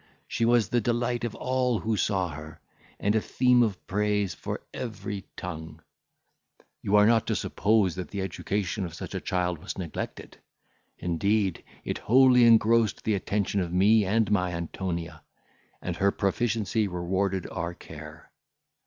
She was the delight of all who saw her, and a theme of praise for every tongue. You are not to suppose that the education of such a child was neglected. Indeed, it wholly engrossed the attention of me and my Antonia, and her proficiency rewarded our care.